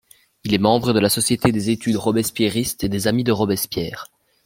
Il est membre de la société des études robespierristes et des amis de Robespierre.